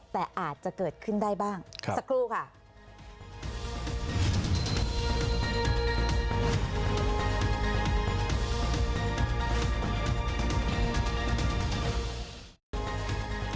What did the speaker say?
แต่อาจจะเกิดขึ้นได้บ้างครับ